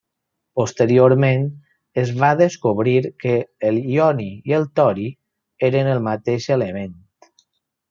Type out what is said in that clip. Posteriorment, es va descobrir que el ioni i el tori eren el mateix element.